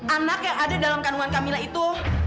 anak yang ada dalam kandungan kak mila itu